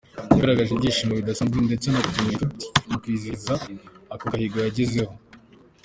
Yagaragaje ibyishimo bidasanzwe ndetse anatumira inshuti mu kwizihiza ako gahigo yagezeho.